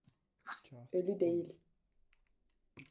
Ölü değil.